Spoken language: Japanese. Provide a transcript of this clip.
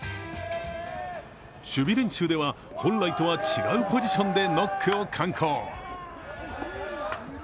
守備練習では、本来とは違うポジションでノックを敢行。